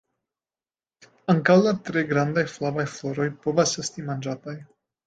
Ankaŭ la tre grandaj flavaj floroj povas esti manĝataj.